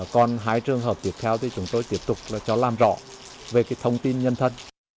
còn hai trường hợp tiếp theo thì chúng tôi tiếp tục cho làm rõ về thông tin nhân thân